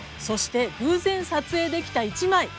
そして偶然撮影できた一枚。